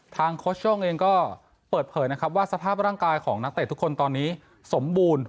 โค้ชโย่งเองก็เปิดเผยนะครับว่าสภาพร่างกายของนักเตะทุกคนตอนนี้สมบูรณ์